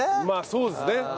まあそうですね。